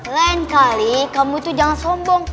lain kali kamu tuh jangan sombong